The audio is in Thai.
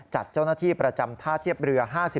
จัดเจ้าหน้าที่ประจำท่าเทียบเรือ๕๔